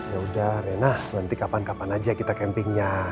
ya udah renah nanti kapan kapan aja kita campingnya